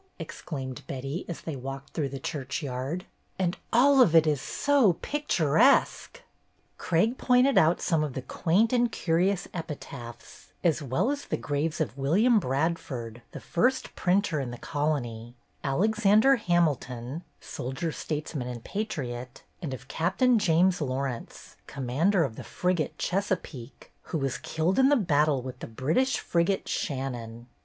ex claimed Betty as they walked through the churchyard. "And all of it is so picturesque 1" Craig pointed out some of the quaint and curious epitaphs, as well as the graves of William Bradford, the first printer in the colony; Alexander Hamilton, soldier, states man, and patriot; and of Captain James Lawrence, commander of the frigate " Chesa peake," who was killed in the battle with the British frigate " Shannon."